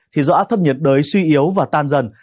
thì do áp thấp nhiệt đới suy yếu và tan dần